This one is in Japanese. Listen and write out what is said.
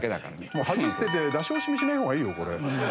もう恥捨てて出し惜しみしない方がいいよ。